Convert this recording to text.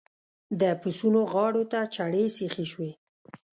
د پسونو غاړو ته چړې سيخې شوې.